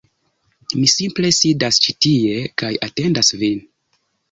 Mi simple sidas ĉi tie kaj atendas vin